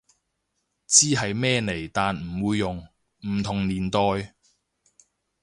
知係咩嚟但唔會用，唔同年代